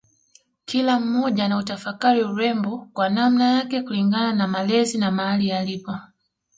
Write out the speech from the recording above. Kila mmoja anautafakari urembo kwa namna yake kulingana na malezi na mahali alipo